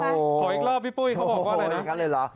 ขออีกรอบพี่ปุ้ยเขาบอกก่อนหน่อยนะ